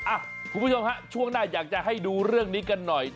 คุณผู้ชมฮะช่วงหน้าอยากจะให้ดูเรื่องนี้กันหน่อย